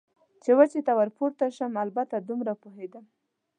چې وچې ته ور پورته شم، البته دومره پوهېدم.